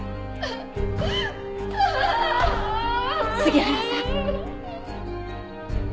杉原さん。